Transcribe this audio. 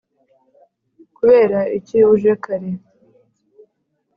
kubera iki uje kare?